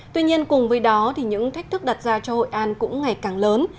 tuy nhiên cùng với đó những thách thức đặt ra cho hội an cũng ngày càng lớn